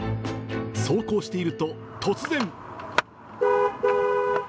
走行していると、突然。